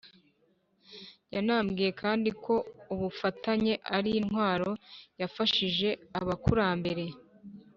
yanambwiye kandi ko ubufatanye ari intwaro yafashije abakurambere